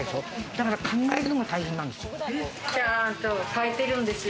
だから考えるのが大変なんですよ。